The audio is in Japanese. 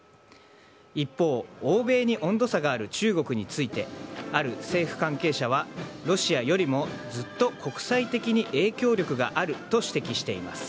一方、欧米に温度差がある中国について、ある政府関係者は、ロシアよりもずっと国際的に影響力があると指摘しています。